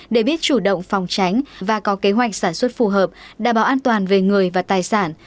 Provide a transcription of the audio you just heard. để biết chủ động phòng tránh và có kế hoạch sản xuất phù hợp đảm bảo an toàn về người và tài sản